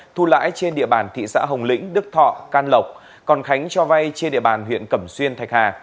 thu lãi trên địa bàn thị xã hồng lĩnh đức thọ can lộc còn khánh cho vay trên địa bàn huyện cẩm xuyên thạch hà